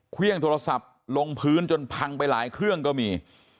เครื่องโทรศัพท์ลงพื้นจนพังไปหลายเครื่องก็มี